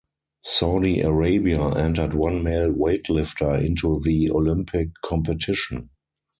Saudi Arabia entered one male weightlifter into the Olympic competition.